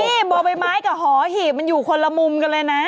นี่บ่อใบไม้กับหอหีบมันอยู่คนละมุมกันเลยนะ